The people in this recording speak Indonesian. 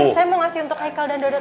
saya mau ngasih untuk aikal dan dodo